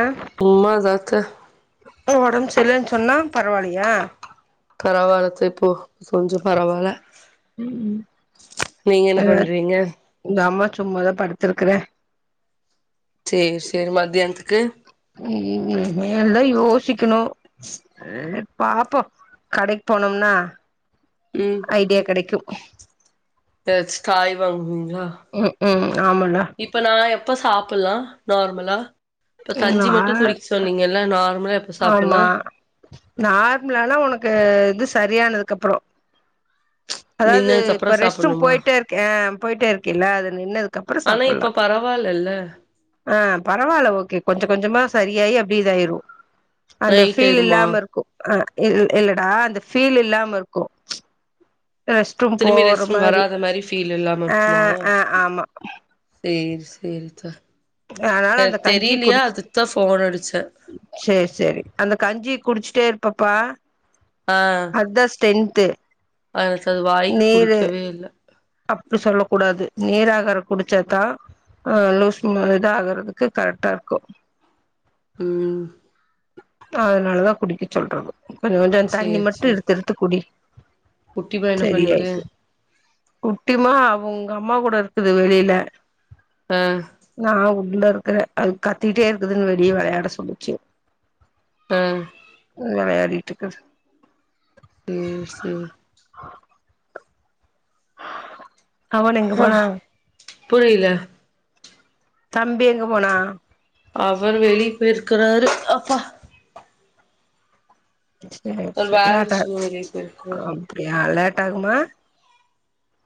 ஆ சும்மா தா அக்கா ஒடம்பு சரியில்லன் சொன்னா பரவால்லையா பரவால்லத்த இப்போ கொஞ்சொ பரவால்ல நீங்க என்ன பண்றீங்க உங்க அம்மா சும்மாதா படுத்துருகுற சேரி சேரி மத்தியானத்துக்கு ம் இனிமேல் தா யோசிக்கணு அ பாப்போ கடைக் போனோம்னா ம் ஐடியா கடைக்கு ஏதாச்சி காய் வாங்குவிங்ளா ம் ம் ஆமால்ல இப்ப நா எப்ப சாப்பில்லா நார்மலா இப்ப நா கஞ்சி மட்டு குடிக் சொன்னிங்கள நார்மலா எப் ஆமா நார்மலாலா உனக்கு இது சரியானதுக்கு அப்புற [inaudible] அதாது அப்புறோ இப்ப ரெஸ்ட் ரூம் சாப்பணுமா போயிட்டே இருக் ஆ போயிட்டே இருக்கில அது நின்னதுக் அப்புற ஆனா இப்ப பரவால்லல்ல ஆ பரவால்ல ஓகே கொஞ்ச கொஞ்சமா சரியாயி அப்டி இதாயிரு அந்த நைட் ஃபீல் ஆயிருமா இல்லாம இருக்கு அ இல்லடா அந்த ஃபீல் இல்லாம இருக்கு ரெஸ்ட் ரூம் திரும்பி போற ரெஸ்ட் ரூம் மாரி வராத ஃபீல் இல்லாம அ இருக்குமா அ ஆமா சேரி சேரித்த அதனால இல்ல அந்த கஞ்சி தெரிலையா குடிச் அதுக்குதா ஃபோன் அடிச்ச சேரி சேரி அந்த கஞ்சி குடிச்சுட்டே இரு பாப்பா ஆ அதா ஸ்டென்த் அது சரி வாய்க்கு புடிக்கவே இல்ல அப்டி சொல்ல கூடாது நீர் ஆகார குடிச்சாதா ஆ லூஸ் மோ இத ஆகுறதுக்கு கரெக்டா இருக்கு ம் அதனாலதா குடிக்க சொல்றது கொஞ்ச கொஞ்ச தண்ணி சேரி மட்டு சேரி எடுத்து எடுத்து குடி குட்டி பைய என்ன பண்ணுது சரியாயிக்கு குட்டிமா அவங்க அம்மா கூட இருக்குது வெளியில ஆ நா உள்ள இருக்கிற அது கத்திட்டே இருக்குதுன் வெளிய வெளையாட சொல்லிச்சு ஆ வெளையாட்டிட் இருக்குது ம் சேரி அவன் எங்க ஆ போனா புரியல தம்பி எங்க போனா அவர் வெளிய போயிருக்கறாரு அப்பா சேரி அவர் சேரி வேல லேட்டா விஷயமா வெளிய போயிருக்கிறாரு அப்டியா லேட்டாகுமா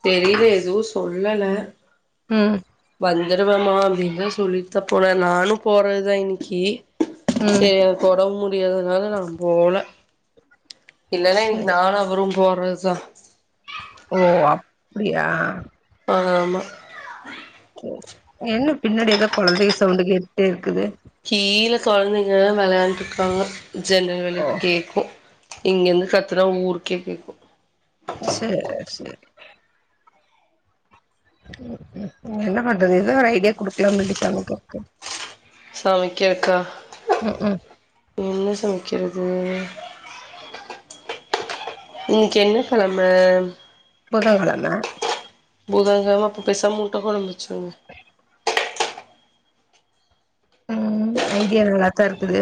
சேரி இரு எதுவு சொல்லல ம் வந்துருவேமா அப்டின்னுதா சொல்லி தா போன நானு போறதுதா இன்னைக்கி ம் சேரி அவருக்கு ஒடம்பு முடியதுனால நா போல இல்லனா இன்னைக்கு சேரி நானு அவரு போறதுதா ஓ அப்டியா ஆமா என்ன பின்னாடி ஏதோ கொழந்தைகள் சவுண்டு கேட்டுட்டே இருக்குது கீழ கொழந்தைங்க தா வெளையாடிட்டு இருக்காங்க ஜென்னல் வழியா ஓ கேக்கும் இங்க இருந்து கத்துனா ஊருக்கே கேக்கு செரி செரி உ என்ன பண்றது ஏதா ஒரு ஐடியா குடுக்கலாம்னு நனைச்சிட்டாங்க [unintelligible] சமைக்கலக்கா ம் ம் என்ன சமைக்கிறது இன்னிக்கு என்ன கெழமை புதன்கெழமை புதன் கெழமை பேசாம முட்டை கொழம்பு வெச்சிருங்க ம் ஐடியா நல்லதா இருக்குது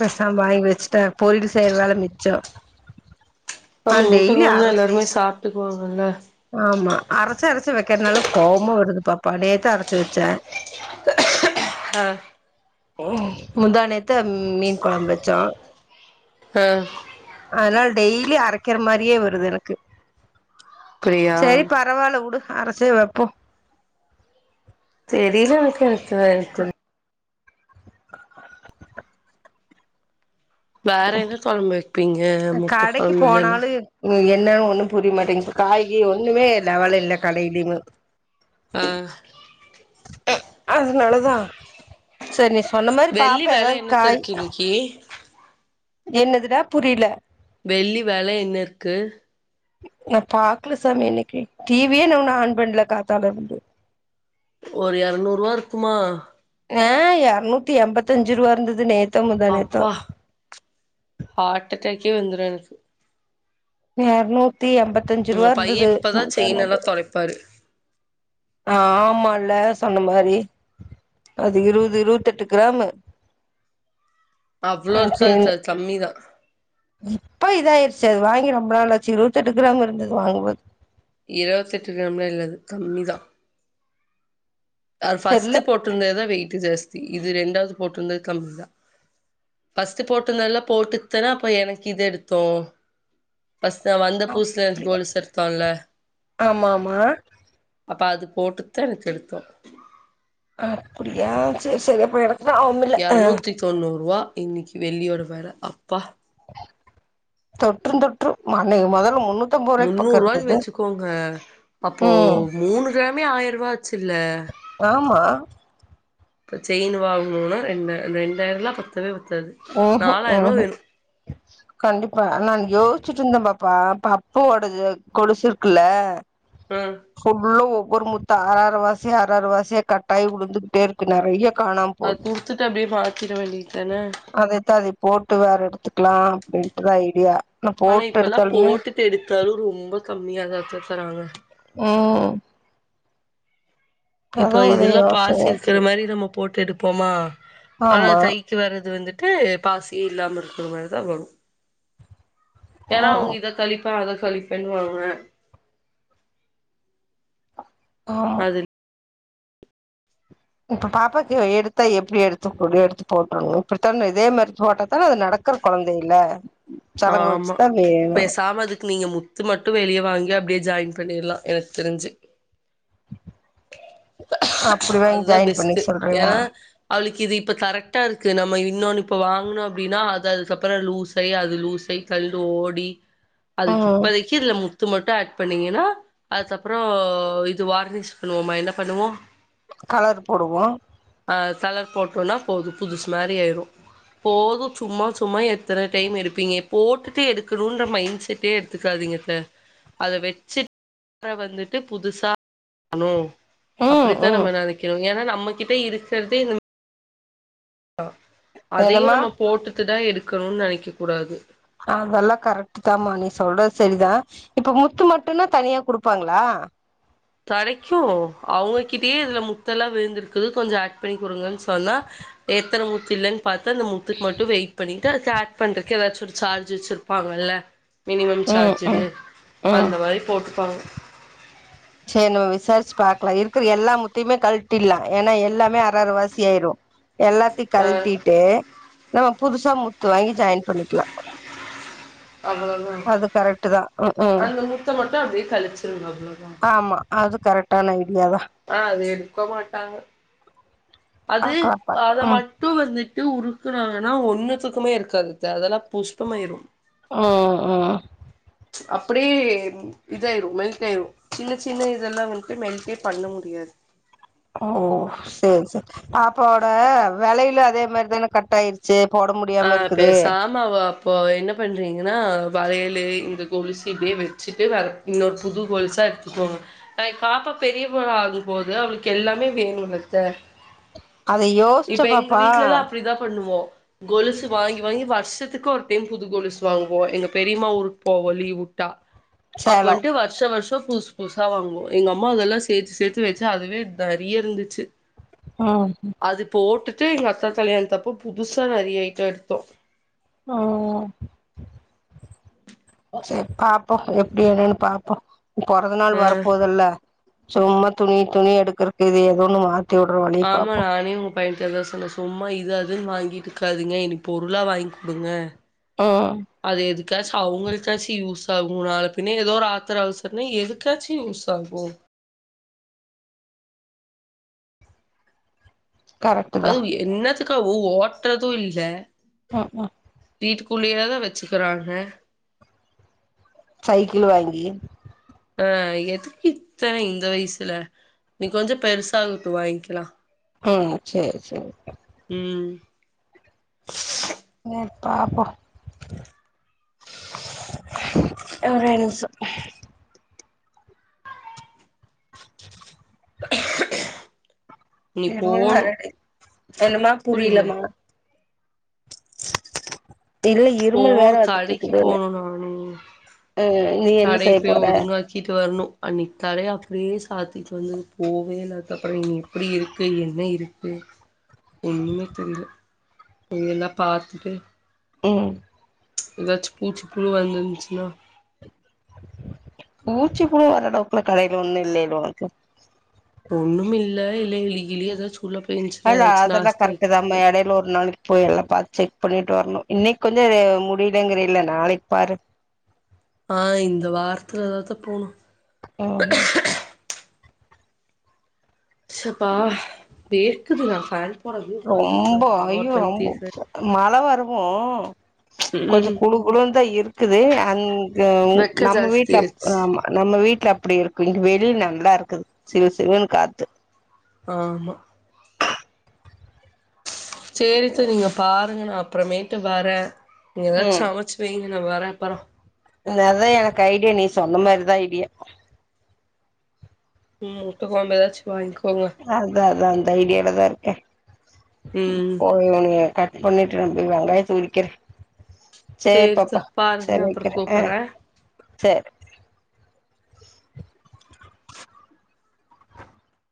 பேசாம வாங்கி வச்சுட்டேன் பொரியில் செய்யற வேலை மிச்சம் இப்ப நம்ம முட்டை கொழம்புன்னா எல்லாருமே சாப்ட்டு பேவாங்கல்ல ஆமா அரைச்சு அரைச்சு வைக்கிறதுனால கோவமா வருது பாப்பா நேத்து அரைச்சி வச்சே ஆ முந்தா நேத்து அம் மீன் கெழம்பு வச்சோ ஆ அதனால டெய்லி அரைக்கிற மாரியே வருது எனக்கு அப்டியா சரி பா பரவால வுடு அரச்சிக்கலா போ தெரியல எனக்கு வேற என்ன கொழம்பு வைப்பீங்க முட்டை கொழம்பு இல்லனா ம் என்ன ஒண்ணு புரியமாட்டேங்குது இப்ப காய்கறி ஒண்ணுமே இல்ல அவ இல்ல கடையலையு ஆ அ அதனால தா செரி சொன்ன மாரி பாப்பே ஏதாவது காய் ஏ என்னது தா புரியல வெள்ளி வெல என்ன இருக்கு நா பாக்கல சார் இன்னிக்கு டிவியே நா உன்னும் ஆன் பன்ல காத்தால இருந்து ஒரு எரநூறுவா இருக்குமா ஆ எரநூத்தி எம்பத்தஞ்சு ரூவா இருந்தது நேத் அப்பா ஆர்ட்டடக்கே வந்துடும் எனக்கு எரநூத்தி எம்பத்தஞ்சி ரூவா இருந்தது பர் ஆ ஆமால்ல சொன்ன மாரி அது இருவது இருவத்தெ ட்டு கிராமு அவ்ளோ ஆ இருக்காது செரி அது கம்மிதா இப்ப இதாயிச்சி அது வாங்கி ரொம்ப நாளச்சி இருவத்தெட்டு கிராம் இருந்தது வாங்குபோது இருவத்தெட்டு கிராமலா இல்லங்க கம்மி தா அ ஃபஸ்ட் தெர்ல போட்டுருந்தது தா வெயிட் ஜாஸ்தி இது ரெண்டாவது போட்டிருந்தது கம்மிதா ஃபஸ்ட்டு போட்டுருந்தெல்லா போட்டு தானா அப்போ எனக்கு இது எடுத்தோ ஃபஸ்ட் நா வந்த புதுசுல எனக் அப்டியா கொலுசு எடுத்தோல்ல ஆமா ஆமா அப்ப அது போட்டுதா எனக் எடுத்தோ அப்டியா செரி செரி அப்போ எனக் ஞாபம் இல்ல நூத்தி தொண்ணூறு ரூவா இன்னிக்கு வெள்ளியோட வெல அப்பா தொற்றும் தொற்று மனைகோ மொதல்ல முன்னூத் முன்னூறு ரூவான்னு வச்சுகோங்க அப்போ ம் மூணு கிராமே ஆயரூபா ஆச்சில்ல ஆமா இப்ப செயின் வாங்கனுன்னா ரெண்ட ரெண்டாயிரோலா பத்தவே பத்தாது ஓஹோ நாலாயிரூவா அஹ வேணு கண்டிப்பா நா யோசிச்சிட்டுருந்த பாப்பா பப்போடது கொலுசுருக்குல்ல ம் ஃபுல்லா ஒவ்வொரு முத்தா அர அர வாசி அர அர வாசியா கட்டாய் உழுந்துகிட்டே இருக்கு நறைய அது குடுத்துட்டு அப்டியே மாத்திட வேண்டியத்தானே அதேத்தா அதய போட்டு வேற எடுத்துக்கலா அப்டின்ட்டுதா ஐடியா அனா போட்டு எடுத்தாலுமே போட்டு எடுத்தாலு ரொம்ப கம்மியாதாத்த தராங்க ம் ம் அதா இப்ப ஒரே இதெல்லா பாசி யோசனையா இருக்குற இருக்குது மாரி நம்ம போட்டு எடுப்போமா ஆனா ஆமா கை க்கு வரது வந்துட்டு பாசியே இல்லாம இருக்குற மாரிதா வரு ஏன்னா அவுங்க ஆமா இத கழிப்ப அத கழிப்பன்வாங்க அ அதுல் இப்ப பாப்பாக்கு எடுத்தா எப்டி எடுத்து குடு எடுத்துப் போடனு இப்பிடித்தான இதே மாரி போட்டா தானே அது நட க்கற கொழந்தையில்ல ஆமா பேசாம அதுக்கு நீங்க மு த்து மட்டு வெளிய வாங்கி அப்டியே ஜாயின் பண்ணிர்லா எனக்கு தெரிஞ்சு அப்படி வாங்கி அதுதா ஜாயின் பெஸ்ட்டு பண்ணிக்க சொல்றியா ஏன்னா அவளுக்கு இது இப்ப கரெக்டாருக்கு நம்ம இன்னொன்னு இப்ப வாங்னோ அப்டின்னா அது அதுக்கப்றோ லூஸ் ஆயி அது து லூசாயி கல்ண்டு ஓடி அதுக்கு ம் இப்போதைக்கி இதுல முத்து மட்டு ஆட் பண்ணீங்கன்னா அதுக்கப்றோ இது வார்னிஷ் பண்ணுவோமா என்ன பண்ணுவோ கலர் போடுவோ அ கலர் போட்டோன்னா போது புதுசு மாரி ஆயிரு போது சும்மா சும்மா எத்தன டைம் எடுப் பீங்க போட்டுட்டு எடுக்கனுன்ற மைண்ட் செட்டே எடுத்துக்காதீங்க அத்த அத வெச்சிட் அப்றோ வந்துட்டு புதுசா [inaudible] ணு ம் அப்பிடித்தா ம் நம்ம நெனைக்கிறோ ஏன்னா நம்மகிட்ட இருக்கறதே இந்த தா அதையு என்னம்மா நம்ம போட்டுட்டுதா எடுக்கனுன்னு நெனைக்க கூடாது அதெல்லா கரெக்ட்டு தாமா நீ சொல்றது சரிதா இப்போ முத்து மட்டுன்னா தனியா குடுப்பாங்களா கடைக்கு அவுங்ககிட்டயே இதுல முத்தெல்லா விழுந்திருக்குது கொஞ்சோ ஆட் பண்ணி குடுங்கன் சொன்னா எத்தன முத்து இல்லன் பாத்து அந்த முத்துக்கு மட்டு வெயிட் பண்ணிட்டு அதுக்கு ஆட் பண்றதுக்கு ஏதாச்சு ஒரு சார்ஜ் வச்சிருப் பாங்கள்ல மினிமம் ம் ம் சார்ஜுன்னு ம் அந்த மாரி போட்டுப்பாங்க செரி நம்ம விசாரிச்சு பாக்லா இருக்கற எல்லா முத்தையுமே கல்ட்டில்லா ஏன்னா எல்லாமே அர அர வாசி ஆயிறோ எல்லாத்தையு ஆ கழட்டிட்டு நம்ம புதுசா முத்து வாங்கி ஜாயின் பண்ணிக்லா அவ்ளோதா அது கரெட்டு தா ம் ம் அந்த முத்த மட்டோ அப்டியே கழிச்சிருங்க அவ்ளோதா ஆமா அது கரட்டான ஐடியா தா அ அது எடுக்க மாட்டாங்க அது பாக்கலா பாக்கலா ம் அதமட் ட்டு வந்துட்டு உறுக்குனாங்கனா ஒன்னுத்துக்குமே இருக்காது அத்தே அதெல்லா புஷ்பமாயிறு அ அ அப்டியே இதாயிரு மெல்ட் ஆயிரு சின்ன சின்ன இதெல்லா வன்ட்டு மெல்ட்டே பண்ண முடியாது ஓ சேர் செரி பாப்பாவோட வெளையிலு அதே மாரிதான கட் ஆயிரு சி போட முடியு ஆ பேசா ம அ அப்போ என்ன பண்றீங்கன்னா வளையலு இந்த கொலுசு இதையு வச்சுட்டு வேற இன்னோர் புது கொல்ஷா எடுத்துக்கோங்க அ பாப்பா பெரிய பொண்ணா ஆகும்போது அவளுக்கு எல்லாமே வேணுலத்தே அத யோசிச்ச இப்ப எங்க பாப்பா வீட்லல்லா அப்டிதா பண்ணுவோ கொலுசு வாங்கி வாங்கி வர்ஷத்துக்கு ஒரு டைம் புது கொலுசு வாங்குவோ எங்க பெரியமா ஊருக்கு போவோ லீவ் வுட்டா அப்ப சேலோ வன்ட்டு வ ர்ஷோ வர்ஷோ புதுசு புதுசா வாங்குவோ எங்க அம்மா அதெல்லா சேத்து சேத்து வச்சு அதுவே தரிய இருந்துச்சு ம் ம் அது போட்டுட்டு எங்க அக்கா கல்யாணத்தப்போ புதுசா நறைய ஐட்டோ எடுத்தோ அ சேர் பாப்போ எப்டி என்னன்னு பாப்போ பொறந்த நாள் ஆ வரப்போதல்ல சும்மா துணி துணி எடுக்றக்கு இது ஏதோன்னு மா ஆமா நானே உங் க பையன்ட அதா சொன்ன சும்மா இது அதுன்னு வாங்கிட்ருக்காதிங்க இனி பொருளா வாங்கி குடுங்க அ அது எதுக்காச்சு அவுங்களுக்காச்சு யூஸ் ஆகு நாள பின்ன ஏதோ ஒரு ஆத்தர அவசரம்னா எதுக்காச்சு யூஸ் ஆகு கரெக்ட் தா அது என்னத்துக்காவு ஓட்றது இல்ல ம் ம் வீட்டுக்குள்ளயே தா வச்சிக்கராங்க சைக்கிள் வாங்கி அ எதுக்கு இத்தன இந்த வயசுல நகனி கொஞ்சோ பெருசாகட்டு வாய்க்லா ம் சேரி சேரிப்பா ம் என்ன பாப்போ ஒரே நிம்ஷோ நீ இருமல் போணு வருது என்னமா புரில புரிலமா இல்ல இருமல் வேற போணு வந்துட்டு கடைக்கு இருக்குதுன்னு போணு நானு ம் நீ என்ன செய்ய கடைக்கு போய் போற ஒதுங்க வச் சிட்டு வரணு அன்னைக்கி கடைய அப்டியே சாத்திட்டு வந்தது போவே இல்ல அதுக்கப்றோ எப்டி இருக்கு என்ன இருக்கு ஒண்ணுமே தெரில இப்ப இதெல்லா பாத்துட்டு ம் எதாச்சி பூச்சிப்புழு வந்துந்துச்சினா பூச்சி கூட வரடவுக்குல கடையில ஒன்னும் இல்லையே ப்ரோ ச ஒன்னும் இல்ல இல்ல எலி கிளி ஏதாச்சும் உள்ள போய்ந்துச்சுன்ன ஏதாச்சும் நாஸ்தியாக்கிருக்கு நேர்ல ஒரு நாளைக் போய் எல்லாம் பாத் செக் பண்ணிட்டு வரணும் இன்னைக்கு கொஞ்சம் முடியலங்கிற இல்ல நாளைக்கு பாரு ஆ இந்த வார்த்தில ஏதாவத்தா போணும் ஆமா ஸ்ஷப்பா வேர்க்குதுடா ஃபேன் போடாமயே உக்காந்துருக்குறே ரொம்பொ நா ஒரு ஐயோ ரொம்பொ பைத்தியக்காரி பு மழ வரவும் ம் கொஞ்சம் குழு குழுன்னு தா இருக்குது அங்கவ் வெக்க நம்ம ஜாஸ்தி வீட்ல அப் ஆயிடுச்சு ஆமா நம்ம வீட்ல அப்டி இருக்கும் இங்க வெளிய நல்லா இருக்குது சிவ சிவனு காத்து ஆமா சேரி சேரி நீங்க பாருங்க நா அப்பறமேட்டு வரேன் நீங்க ஏதாச்சு சமச்சு வைங்க நா வர்றே அப்பறொ அதான் எனக்கு ஐடியா நீ சொன்ன மாரிதான் ஐடியா உம் முட்ட கொழம்பு எதாச்சு வாங்கிக்கோங்க அதான் அதான் அதான் அந்த ஐடியால தான் இருக்கேன் ம் போய் உனைய கட் பண்ணிட்டு வந்துர்லா வெங்காயத்த உரிக்க சேர் சேரி தோ பாப்பா பாருங்க சேர் நா அப்புறோ வக்கிறேன் அ கூப்புட்றே சேர்